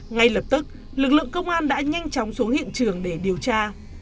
ngay lập tức lực lượng công an đã nhanh chóng xuống hiện trường để điều tra